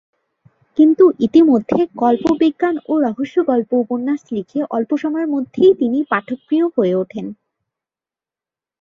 কিন্তু ইতিমধ্যে কল্পবিজ্ঞান ও রহস্য গল্প-উপন্যাস লিখে অল্প সময়ের মধ্যেই তিনি পাঠকপ্রিয় হয়ে ওঠেন।